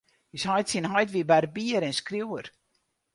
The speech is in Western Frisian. Us heit syn heit wie barbier en skriuwer.